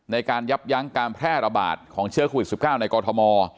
ในการยับยั้งการแพร่ระบาดของเชื้อโควิด๑๙ในกอทม